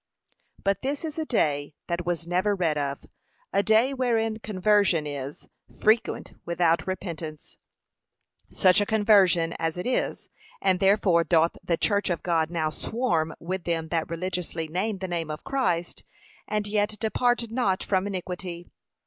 But this is a day that was never read of, a day wherein conversion is frequent without repentance; such a conversion as it is, and therefore doth the church of God now swarm with them that religiously name the name of Christ, and yet depart not from iniquity.